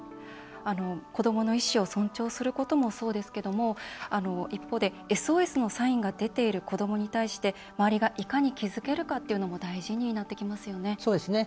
子どもの意思を尊重することもそうですけども一方でＳＯＳのサインが出ている子どもに対して周りがいかに気付けるかっていうのも大事になってきますよね。